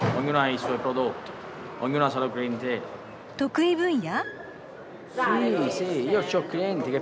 得意分野？